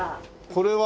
これは？